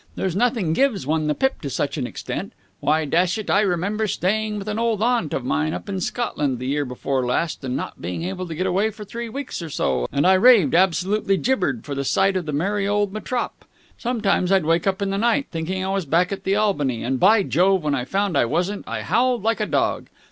There's nothing gives one the pip to such an extent. Why, dash it, I remember staying with an old aunt of mine up in Scotland the year before last and not being able to get away for three weeks or so, and I raved absolutely gibbered for the sight of the merry old metrop. Sometimes I'd wake up in the night, thinking I was back at the Albany, and, by Jove, when I found I wasn't I howled like a dog!